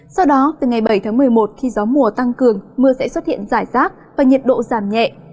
sau đó từ ngày bảy tháng một mươi một khi gió mùa tăng cường mưa sẽ xuất hiện rải rác và nhiệt độ giảm nhẹ